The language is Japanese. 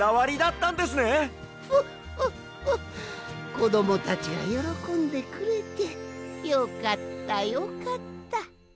こどもたちがよろこんでくれてよかったよかった。